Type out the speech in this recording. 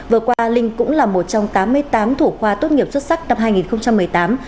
vừa qua linh cũng là một trong tám mươi tám thủ khoa tốt nghiệp xuất sắc năm hai nghìn một mươi tám